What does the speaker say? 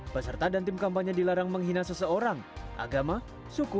peserta dan tim kampanye dilakukan dengan kemampuan untuk mencari penyelidikan yang tidak diperlukan